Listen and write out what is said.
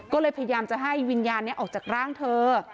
ก็เลยพยายามจะให้วิญญาณนี้ออกจากร่างเธอ